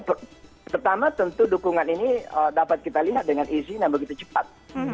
pertama tentu dukungan ini dapat kita lihat dengan izin yang begitu cepat